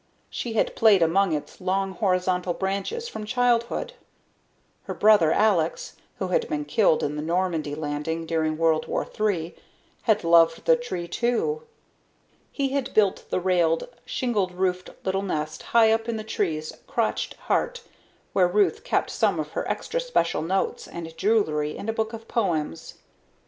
She had played among its long horizontal branches from childhood. Her brother, Alex, who had been killed in the Normandy Landing during World War Three, had loved the tree too. He had built the railed, shingled roofed little nest high up in the tree's crotched heart where Ruth kept some of her extra special notes and jewelry and a book of poems.